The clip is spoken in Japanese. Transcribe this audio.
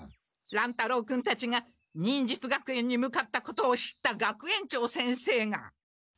乱太郎君たちが忍術学園に向かったことを知った学園長先生が。